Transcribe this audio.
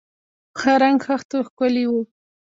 په ښه رنګ خښتو ښکلي و.